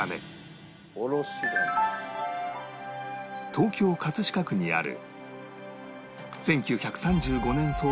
東京飾区にある